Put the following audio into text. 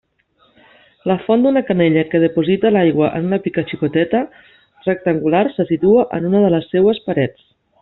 La font d'una canella que deposita l'aigua en una pica xicoteta rectangular se situa en una de les seues parets.